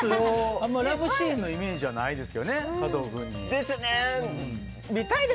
あんまりラブシーンのイメージはないですけどねですね。